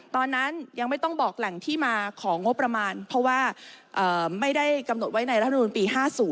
ตอนนั้นยังไม่ต้องบอกแหล่งที่มาของงบประมาณเพราะว่าไม่ได้กำหนดไว้ในรัฐมนุนปี๕๐